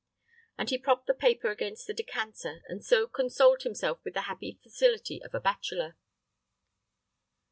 And he propped the paper against the decanter, and so consoled himself with the happy facility of a bachelor.